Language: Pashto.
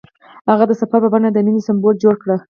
هغه د سفر په بڼه د مینې سمبول جوړ کړ.